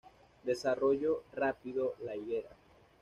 Desarrollo rápido de la higuera.